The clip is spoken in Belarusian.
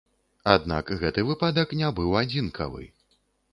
Аднак гэты выпадак не быў адзінкавы.